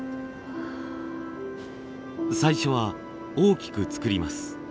最初は大きく作ります。